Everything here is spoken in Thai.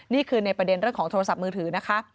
นี่คือในประเด็นเรื่องของโทรศัพท์มือถือนะคะ